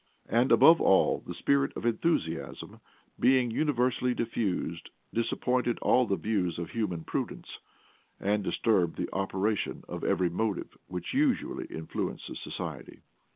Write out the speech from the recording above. And, above all, the spirit of enthusiasm, being universally diffused, disappointed all the views of human prudence, and disturbed the operation of every motive which usually influences society.